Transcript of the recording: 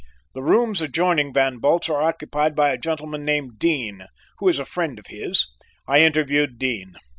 The rooms adjoining Van Bult's are occupied by a gentleman named Dean, who is a friend of his. I interviewed Dean.